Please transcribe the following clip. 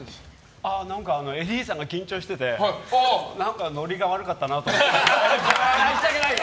何かＡＤさんが緊張しててノリが悪かったなと思って。